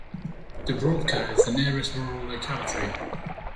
Dubrovka is the nearest rural locality.